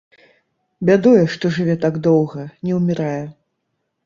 Бядуе, што жыве так доўга, не ўмірае.